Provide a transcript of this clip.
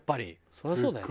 そりゃそうだよね。